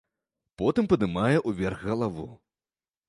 Потым падымае ўверх галаву.